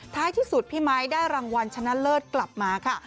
ท้ายที่สุดพี่ไม้ได้รางวัลชนะเลิศกลับมาค่ะ